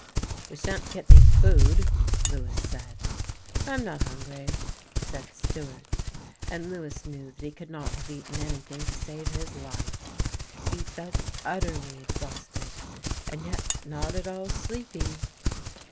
"We shan't get any food," Lewis said. "I'm not hungry," said Stewart, and Lewis knew that he could not have eaten anything to save his life. He felt utterly exhausted and yet not at all sleepy.